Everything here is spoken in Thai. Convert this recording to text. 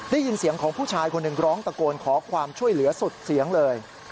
ได้ยินเสียงของผู้ชายคนหนึ่งร้องตะโกนขอความช่วยเหลือสุดเสียงเลย